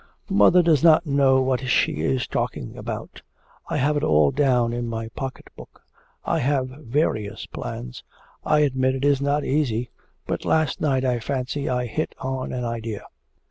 'Mother does not know what she is talking about. I have it all down in my pocket book. I have various plans.... I admit it is not easy, but last night I fancy I hit on an idea.